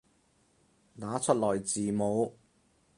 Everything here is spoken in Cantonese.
打出來字母